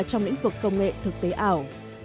trong lĩnh vực công nghệ thực tế ảo